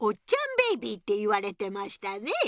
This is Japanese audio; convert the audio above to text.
ベイビーって言われてましたね。